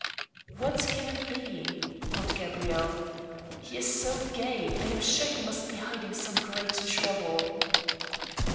" What can it be?" thought Gabrielle. " He is so gay, I am sure he must be hiding some great trouble."